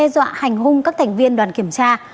hành vi xúc phạm đe dọa hành hung các thành viên đoàn kiểm tra